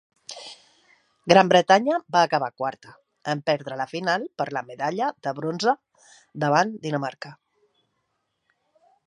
Gran Bretanya va acabar quarta, en perdre la final per la medalla de bronze davant Dinamarca.